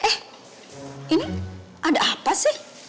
eh ini ada apa sih